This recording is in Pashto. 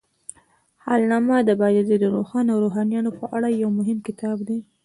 حالنامه د بایزید روښان او روښانیانو په اړه یو مهم کتاب دی.